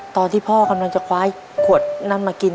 ตอนที่พ่อกำลังจะคว้าขวดนั้นมากิน